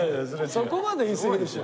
そこまでは言いすぎでしょ。